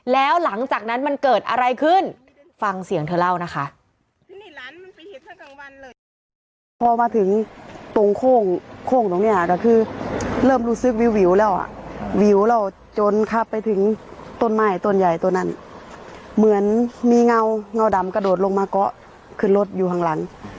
แล้วหลังจากนั้นมันเกิดอะไรขึ้นฟังเสียงเธอเล่านะคะ